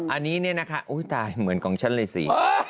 อันนี้เนี่ยนะคะอุ้ยตายเหมือนของฉันเลยสิ